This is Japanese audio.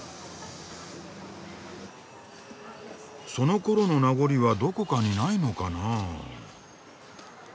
そのころの名残はどこかにないのかなあ？